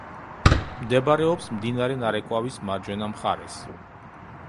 მდებარეობს მდინარე ნარეკვავის მარჯვენა მხარეს.